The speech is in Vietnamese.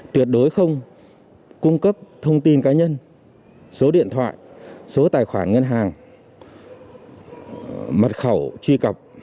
tuyệt đối không cung cấp thông tin cá nhân số điện thoại số tài khoản ngân hàng mật khẩu truy cập